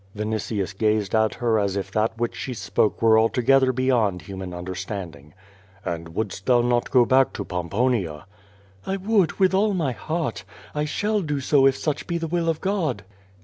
Vinitius gazed at her as if that which she spoke were alto gether beyond human understanding. "And wouldst thou not go back to Pomponia?" 2o8 Q^^ VADIS. "I would, with all my huait. 1 shall do so if such be the will of God."